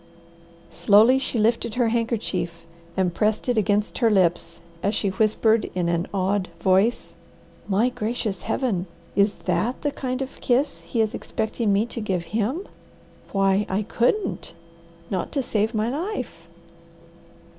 Slowly she lifted her handkerchief and pressed it against her lips, as she whispered in an awed voice, "My gracious Heaven, is THAT the kind of a kiss he is expecting me to give HIM? Why, I couldn't not to save my life."